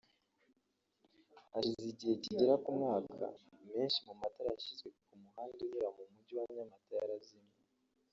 Hashize igihe kigera ku mwaka menshi mu matara yashyizwe ku muhanda unyura mu mujyi wa Nyamata yarazimye